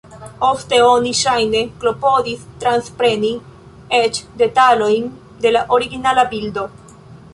Ofte oni ŝajne klopodis transpreni eĉ detalojn de la originala bildo.